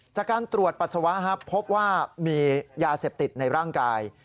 จากการตรวจปัสสาวะครับพบว่ามียาเสพติดในร่างกาย